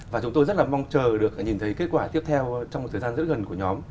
và chúng tôi rất là mong chờ được nhìn thấy kết quả tiếp theo trong một thời gian rất gần của nhóm